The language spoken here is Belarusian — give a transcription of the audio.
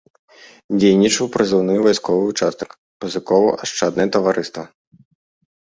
Дзейнічаў прызыўны вайсковы ўчастак, пазыкова-ашчаднае таварыства.